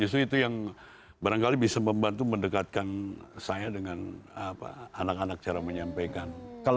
justru itu yang barangkali bisa membantu mendekatkan saya dengan anak anak cara menyampaikan